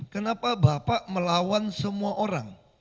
kenapa bapak melawan semua orang